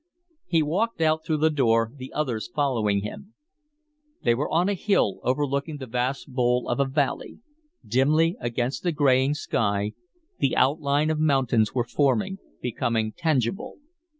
He walked out through the door, the others following him. They were on a hill, overlooking the vast bowl of a valley. Dimly, against the graying sky, the outline of mountains were forming, becoming tangible.